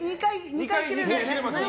２回切れるから。